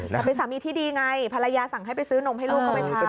แต่เป็นสามีที่ดีไงภรรยาสั่งให้ไปซื้อนมให้ลูกเข้าไปทาน